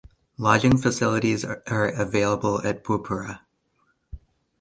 Lodging facilities are available at Poopara.